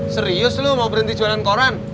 serius loh mau berhenti jualan koran